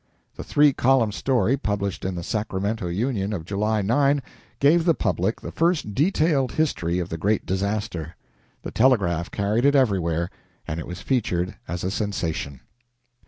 The three column story, published in the "Sacramento Union" of July 9, gave the public the first detailed history of the great disaster. The telegraph carried it everywhere, and it was featured as a sensation.